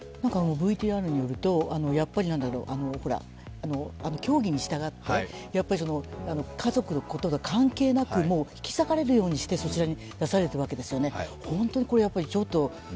ＶＴＲによりますとやっぱり教義に従って家族のことが関係なく引き裂かれるようにそちらに出されるわけですよね。